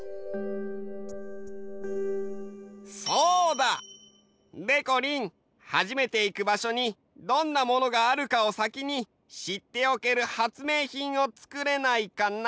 そうだ！でこりん初めていく場所にどんなものがあるかを先にしっておける発明品をつくれないかな？